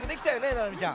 ななみちゃん。